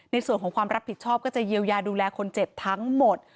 ในส่วนของความรับผิดชอบก็จะเยียวยาดูแลคนเจ็บทั้งหมด